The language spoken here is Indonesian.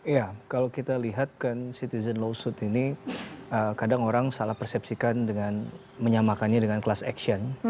ya kalau kita lihat kan citizen lawsuit ini kadang orang salah persepsikan dengan menyamakannya dengan class action